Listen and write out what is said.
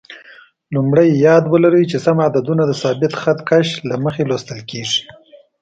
لومړی: یاد ولرئ چې سم عددونه د ثابت خط کش له مخې لوستل کېږي.